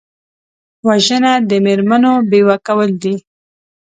وژنه د مېرمنو بیوه کول دي